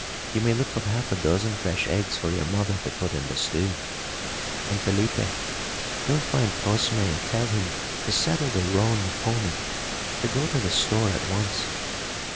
You may look for half a dozen fresh eggs for your mother to put in the stew. And, Felipe, go find Cosme and tell him to saddle the roan pony to go to the store at once.